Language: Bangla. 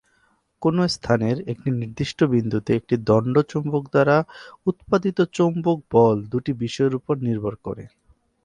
কোনো স্থানের একটি নির্দিষ্ট বিন্দুতে একটি দণ্ড চুম্বক দ্বারা উৎপাদিত চৌম্বক বল দুটি বিষয়ের উপর নির্ভর করে।